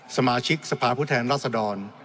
สมาชิกสภาพุทธแห่งราษฎร